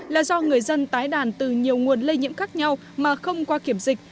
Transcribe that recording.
là do người dân tái đàn từ nhiều nguồn lây nhiễm khác nhau mà không qua kiểm dịch